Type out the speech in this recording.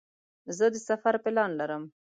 زه د سفر پلان لرم.